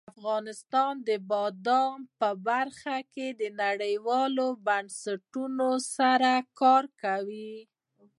افغانستان د بادام په برخه کې نړیوالو بنسټونو سره کار کوي.